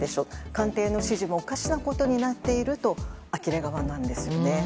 官邸の指示もおかしなことになっているとあきれ顔なんです。